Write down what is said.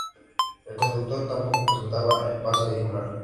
El conductor tampoco presentaba el pase vehicular.